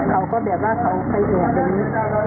เขาก็แบบว่าเขาไปออกอย่างนี้